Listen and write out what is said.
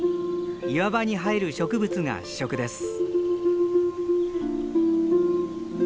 岩場に生える植物が主食です。